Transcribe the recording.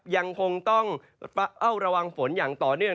ยังคงต้องเฝ้าระวังฝนอย่างต่อเนื่อง